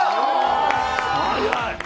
早い！